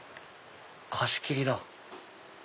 貸し切りだ。